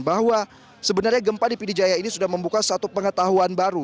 bahwa sebenarnya gempa di pidijaya ini sudah membuka satu pengetahuan baru